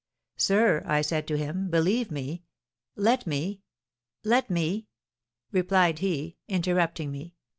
'Sir,' I said to him, believe me ' 'Let me! let me!' replied he, interrupting me.